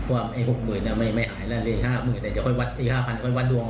ว่า๖๐๐๐๐ไม่หายแล้วอีก๕๐๐๐๐ค่อยวัดดวง